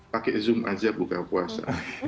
pakai zoom aja buka puasa